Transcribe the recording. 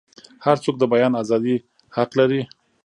هرڅوک د بیان ازادۍ حق لري.